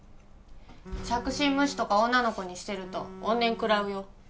着信無視とか女の子にしてると怨念くらうよ